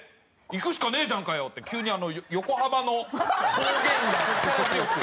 「行くしかねえじゃんかよ！」って急に横浜の方言が力強く。